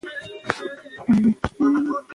د کابل سیند د افغانستان په اوږده تاریخ کې ذکر شوی دی.